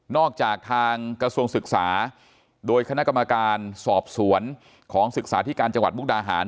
จากทางกระทรวงศึกษาโดยคณะกรรมการสอบสวนของศึกษาที่การจังหวัดมุกดาหาร